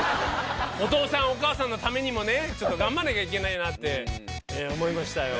お父さんお母さんのためにもね頑張んなきゃいけないなって思いましたよ。